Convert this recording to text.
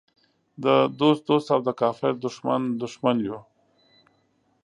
د دوست دوست او د کافر دښمن دښمن یو.